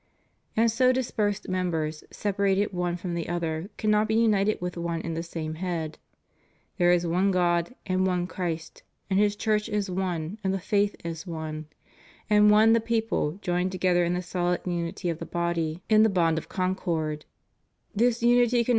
^ And so dispersed members, separated one from the other, cannot be united with one and the same head. " There is one God, and one Christ; and His Church is one and the faith is one; and one the people, joined together in the solid unity of the body in the bond * De Schism. Donatist.